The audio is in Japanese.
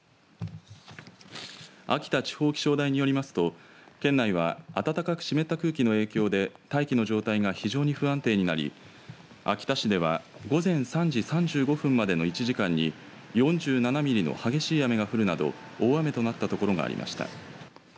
秋田地方気象台によりますと県内は暖かく湿った空気の影響で大気の状態が非常に不安定になり秋田市では午前３時３５分までの１時間に４７ミリの激しい雨が降るなど大雨となったところがありました。